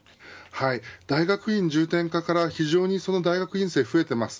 大学院重点化から非常に大学院生が増えています。